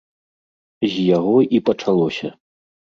З яго і пачалося.